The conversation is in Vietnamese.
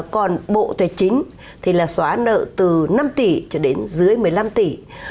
còn bộ tài chính thì là xóa nợ từ năm tỷ cho đến dưới một mươi năm tỷ